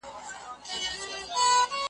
موږ اولاد د مبارک یو موږ سیدان یو .